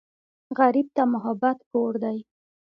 غریب ته محبت کور دی